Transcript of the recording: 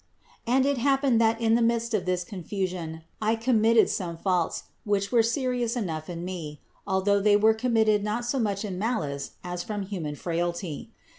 And it happened INTRODUCTION 7 that in the midst of this confusion I committed some faults, which were serious enough in me, although they were committed not so much in malice as from human fraility.